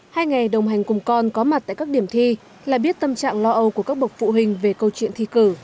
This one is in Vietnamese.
hai ngày đồng hành cùng con có mặt tại các điểm thi là biết tâm trạng lo âu của các bậc phụ huynh về câu chuyện thi cử